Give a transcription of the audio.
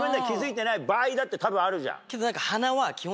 だって多分あるじゃん。